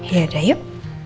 ya udah yuk